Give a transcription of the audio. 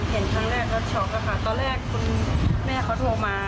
เห็นครั้งแรกก็ช็อกอะค่ะตอนแรกคุณแม่เขาโทรมา